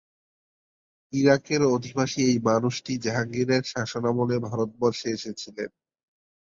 ইরাকের অধিবাসী এই মানুষটি জাহাঙ্গীরের শাসনামলে ভারতবর্ষে এসেছিলেন।